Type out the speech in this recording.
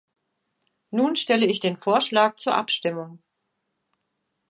Nun stelle ich den Vorschlag zur Abstimmung.